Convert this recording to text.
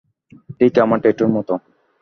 ঠিক আমার ট্যাটুর মত।